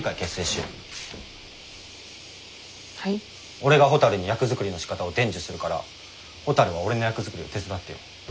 俺がほたるに役作りのしかたを伝授するからほたるは俺の役作りを手伝ってよ。